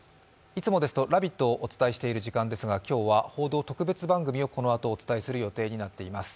いつもですと「ラヴィット！」をお伝えしている時間ですが今日は報道特別番組をこのあとお伝えする予定になっています。